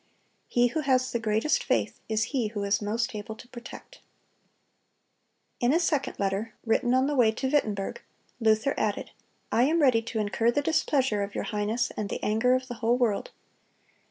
He who has the greatest faith is he who is most able to protect."(271) In a second letter, written on the way to Wittenberg, Luther added: "I am ready to incur the displeasure of your highness and the anger of the whole world.